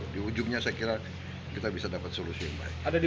di ujungnya saya kira kita bisa dapat solusi yang baik